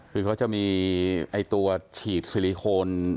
คือเขาจะมีตัวฉีดซิลิโคน